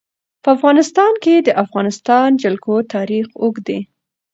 په افغانستان کې د د افغانستان جلکو تاریخ اوږد دی.